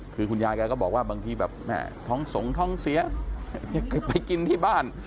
คือคุณยายแกก็บอกว่าบางทีแบบแม่ท้องสงท้องเสียไปกินที่บ้าน